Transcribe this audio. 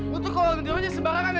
lu tuh kalau ngeri nerinya sebarangan